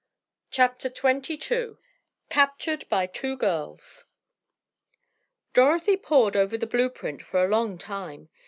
CHAPTER XXII CAPTURED BY TWO GIRLS Dorothy pored over the blue print for a long time.